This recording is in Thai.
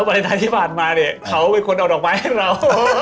วาเลนไทยที่ผ่านมาเขาเป็นคนเอาดอกไม้ให้เรา